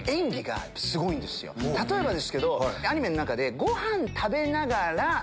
例えばですけどアニメの中で。